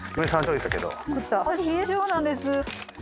私冷え性なんですあ！